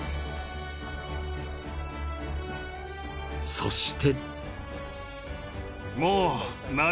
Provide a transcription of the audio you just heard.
［そして］